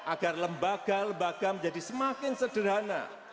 agar lembaga lembaga menjadi semakin sederhana